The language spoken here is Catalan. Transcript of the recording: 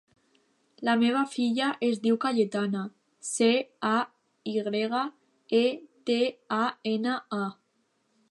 La meva filla es diu Cayetana: ce, a, i grega, e, te, a, ena, a.